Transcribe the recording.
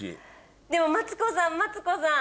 でもマツコさんマツコさん。